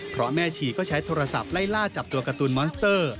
เพราะแม่ชีก็ใช้โทรศัพท์ไล่ล่าจับตัวการ์ตูนมอนสเตอร์